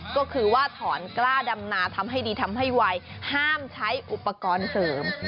ก็คือว่าถอนกล้าดำนาทำให้ดีทำให้ไวห้ามใช้อุปกรณ์เสริม